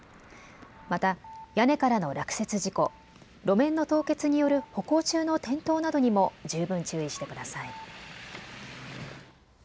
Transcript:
また屋根からの落雪事故、路面の凍結による歩行中の転倒などにも十分注意してください。